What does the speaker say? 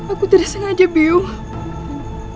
aku tidak sengaja biung